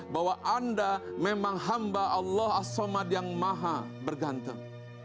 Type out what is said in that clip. bahwa anda memang hamba allah asomad yang maha bergantung